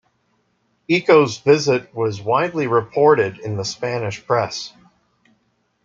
Eco's visit was widely reported in the Spanish press.